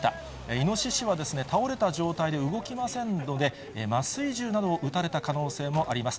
イノシシは倒れた状態で動きませんので、麻酔銃などを打たれた可能性もあります。